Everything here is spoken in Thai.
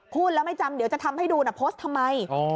พูดแล้วไม่จำเดี๋ยวจะทำให้ดูนะโพสต์ทำไม